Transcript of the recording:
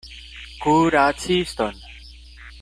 Kuraciston!